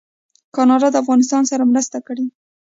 کاناډا د افغانستان سره مرسته کړې.